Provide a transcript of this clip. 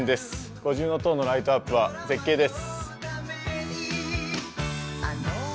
五重塔のライトアップは絶景です。